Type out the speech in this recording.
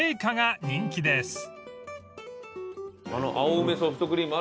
青梅ソフトクリーム